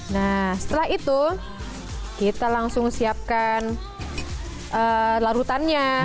nah setelah itu kita langsung siapkan larutannya